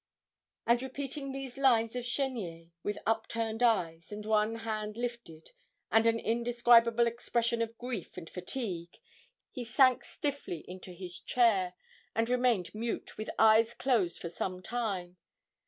And repeating these lines of Chenier, with upturned eyes, and one hand lifted, and an indescribable expression of grief and fatigue, he sank stiffly into his chair, and remained mute, with eyes closed for some time.